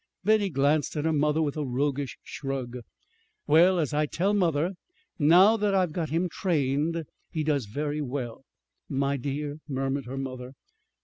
Betty glanced at her mother with a roguish shrug. "Well, as I tell mother, now that I've got him trained, he does very well." "My dear!" murmured her mother.